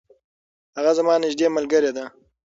هغه زما نږدې ملګرې ده.